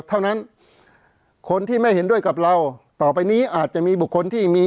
เท่านั้นคนที่ไม่เห็นด้วยกับเราต่อไปนี้อาจจะมีบุคคลที่มี